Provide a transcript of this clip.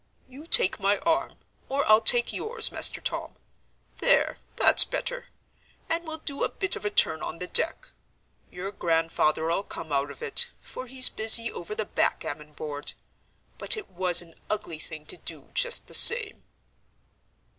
"You take my arm, or I'll take yours, Master Tom, there, that's better, and we'll do a bit of a turn on the deck. Your grandfather'll come out of it, for he's busy over the backgammon board. But it was an ugly thing to do just the same."